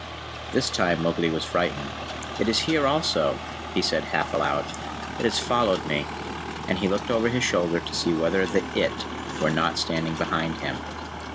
This time Mowgli was frightened. "It is here also!" he said half aloud. "It has followed me," and he looked over his shoulder to see whether the It were not standing behind him.